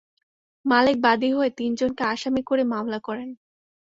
মালেক বাদী হয়ে তিনজনকে আসামি করে মামলা করেন।